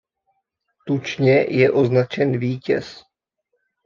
Tučně je označen vítěz.